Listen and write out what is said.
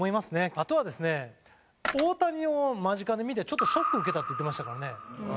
あとはですね大谷を間近で見て「ちょっとショックを受けた」って言ってましたからね。